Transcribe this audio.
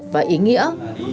và ý nghĩa